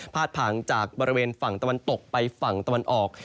ผ่างจากบริเวณฝั่งตะวันตกไปฝั่งตะวันออก